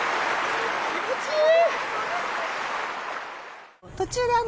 気持ちいい！